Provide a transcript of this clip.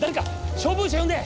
消防車呼んで！